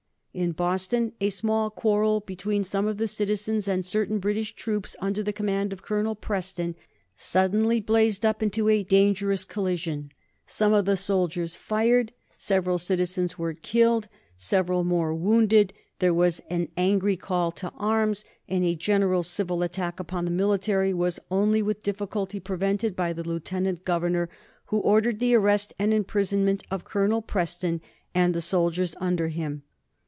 In Boston a small quarrel between some of the citizens and certain British troops under the command of Colonel Preston suddenly blazed up into a dangerous collision. Some of the soldiers fired. Several citizens were killed, several more wounded. There was an angry call to arms, and a general civil attack upon the military was only with difficulty prevented by the Lieutenant Governor, who ordered the arrest and imprisonment of Colonel Preston and the soldiers under him.